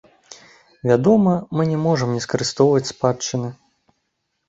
Вядома, мы не можам не скарыстоўваць спадчыны.